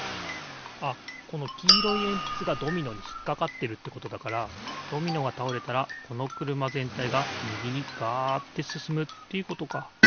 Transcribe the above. あっこのきいろいえんぴつがドミノにひっかかってるってことだからドミノがたおれたらこのくるまぜんたいがみぎにガッてすすむということか。